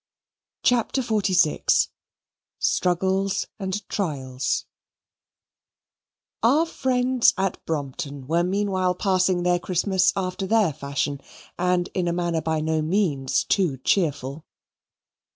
CHAPTER XLVI Struggles and Trials Our friends at Brompton were meanwhile passing their Christmas after their fashion and in a manner by no means too cheerful.